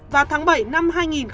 vào tháng bảy năm hai nghìn một mươi sáu